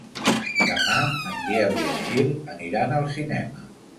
Demà en Biel i en Gil aniran al cinema.